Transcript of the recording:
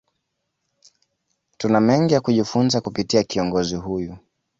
Tuna mengi ya kujifunza kupitia kiongozi huyu